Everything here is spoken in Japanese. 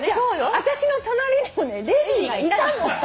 私の隣にもねレディーがいたの！